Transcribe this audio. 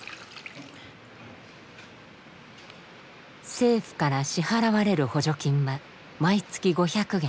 政府から支払われる補助金は毎月５００元